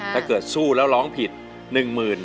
ถ้าเกิดสู้แล้วร้องผิด๑หมื่น